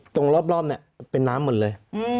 ตรงรอบเป็นน้ำหมดเลย